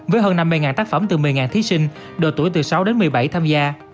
với hơn năm mươi tác phẩm từ một mươi thí sinh độ tuổi từ sáu đến một mươi bảy tham gia